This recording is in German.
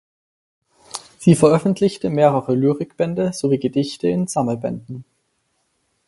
Sie veröffentlichte mehrere Lyrikbände sowie Gedichte in Sammelbänden.